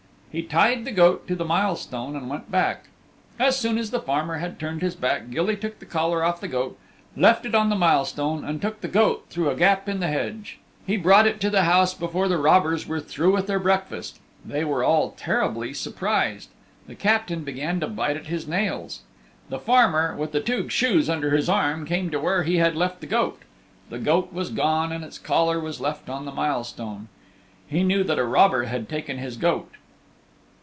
He tied the goat to the mile stone and went back. As soon as the farmer had turned his back, Gilly took the collar off the goat, left it on the milestone and took the goat through a gap in the hedge. He brought it to the house before the robbers were through with their breakfast. They were all terribly surprised. The Captain began to bite at his nails. The farmer, with the two shoes under his arm, came to where he had left the goat. The goat was gone and its collar was left on the milestone. He knew that a robber had taken his goat.